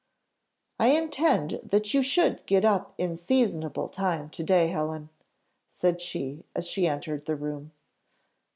"I intend that you should get up in seasonable time to day, Helen," said she, as she entered her room.